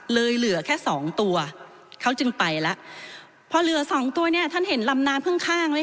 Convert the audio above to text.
เลยเหลือแค่สองตัวเขาจึงไปละพอเหลือสองตัวเนี่ยท่านเห็นลำน้ำเพิ่งข้างไหมคะ